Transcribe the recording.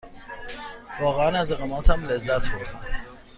واقعاً از اقامتم لذت بردم.